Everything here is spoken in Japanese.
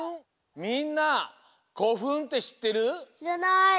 みんなこふんってしってる？